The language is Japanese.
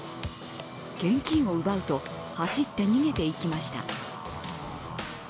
現金を奪うと、走って逃げていきました。